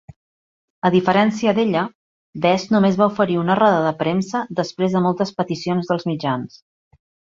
A diferència d'ella, Bess només va oferir una roda de premsa després de moltes peticions dels mitjans.